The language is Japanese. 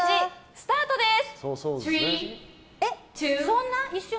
スタートです。